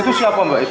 itu siapa mbak